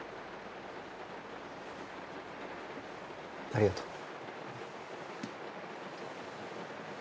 ありがとう。